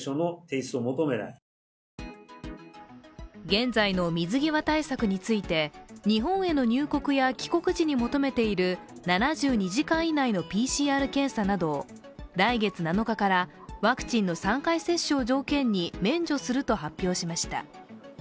現在の水際対策について日本への入国や帰国時に求めている７２時間以内のＰＣＲ検査などを来月７日からワクチンの３回接種を条件に免除すると発表しました。